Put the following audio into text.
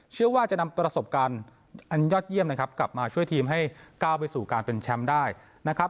เชื่อว่าจะนำประสบการณ์อันยอดเยี่ยมนะครับกลับมาช่วยทีมให้ก้าวไปสู่การเป็นแชมป์ได้นะครับ